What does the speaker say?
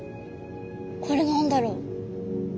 これ何だろう？